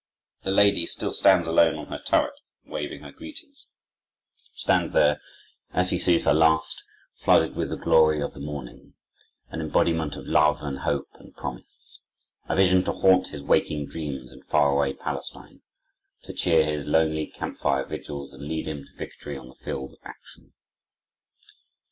The lady still stands alone on her turret, waving her greetings—stands there, as he sees her last, flooded with the glory of the morning, an embodiment of love and hope and promise—a vision to haunt his waking dreams in far away Palestine, to cheer his lonely camp fire vigils and lead him to victory on the field of action.